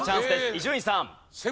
伊集院さん。